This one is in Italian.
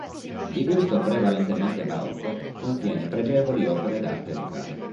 Di gusto prevalentemente barocco, contiene pregevoli opere d'arte locale.